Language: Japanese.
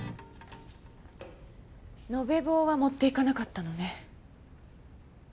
延べ棒は持っていかなかったのね。